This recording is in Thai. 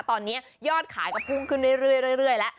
ตอนนี้ยอดขายก็พุ่งขึ้นเรื่อยแล้ว